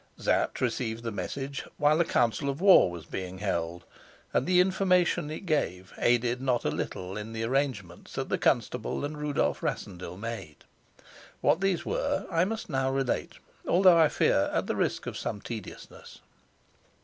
Sapt received this message while a council of war was being held, and the information it gave aided not a little in the arrangements that the constable and Rudolf Rassendyll made. What these were I must now relate, although, I fear, at the risk of some tediousness.